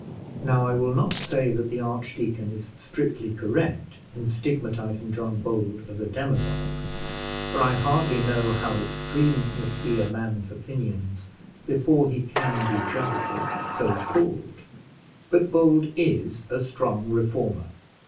Now I will not say that the archdeacon is strictly correct in stigmatising John Bold as a demagogue, for I hardly know how extreme must be a man's opinions before he can be justly so called; but Bold is a strong reformer.